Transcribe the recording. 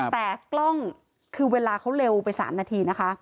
แต่กล้องคือเวลาเขาเร็วไป๓นาทีนะคะ